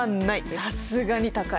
さすがに高い！